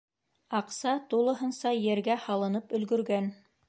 Аҡса тулыһынса ергә һалынып өлгөргән.